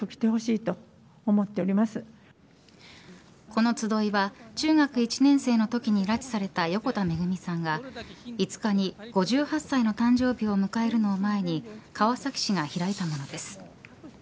この集いは中学１年生のときに拉致された横田めぐみさんが５日に５８歳の誕生日を迎えるのを前に川崎市が開いたものです。